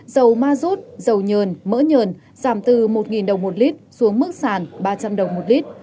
dầu ma rút dầu nhờn mỡ nhờn giảm từ một đồng một lít xuống mức sàn ba trăm linh đồng một lít